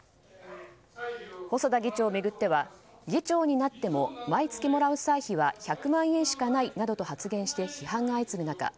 細田議長を巡っては議長になっても毎月もらう歳費は１００万円しかないなどと発言して批判が相次ぐ中